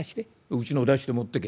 「うちのを出して持ってけ」。